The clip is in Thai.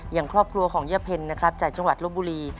อย่างครอบครัวของย่าเพ็ญนะครับจากจังหวัดลบบุรี